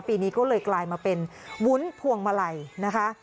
ปีนี้ก็เลยกลายมาเป็นวุ้นพวงมาลัยนะคะ